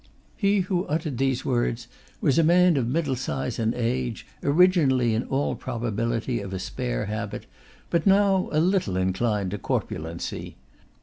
He who uttered these words was a man of middle size and age, originally in all probability of a spare habit, but now a little inclined to corpulency.